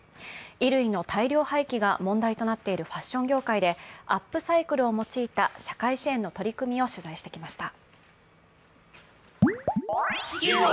衣類の大量廃棄が問題となっているファッション業界でアップサイクルを用いた社会支援の取り組みを取材しました。